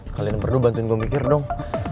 kalian perlu bantuin gue mikir dong